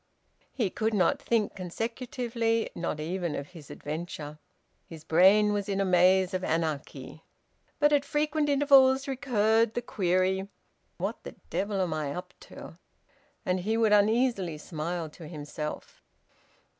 He could not think consecutively, not even of his adventure. His brain was in a maze of anarchy. But at frequent intervals recurred the query: "What the devil am I up to?" And he would uneasily smile to himself.